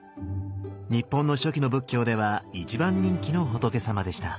日本の初期の仏教では一番人気の仏様でした。